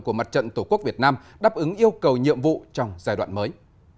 của mặt trận tổ quốc việt nam đáp ứng yêu cầu nhiệm vụ trong giai đoạn mới